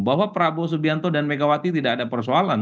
bahwa prabowo subianto dan megawati tidak ada persoalan